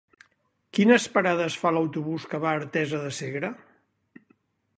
Quines parades fa l'autobús que va a Artesa de Segre?